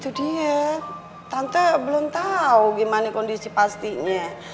yudhya tante belum tahu gimana kondisi pastinya